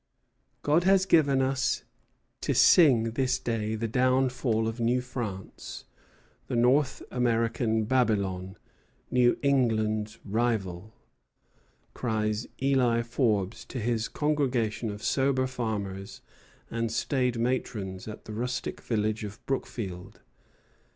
"God has given us to sing this day the downfall of New France, the North American Babylon, New England's rival," cries Eli Forbes to his congregation of sober farmers and staid matrons at the rustic village of Brookfield.